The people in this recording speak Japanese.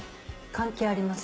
関係ありません。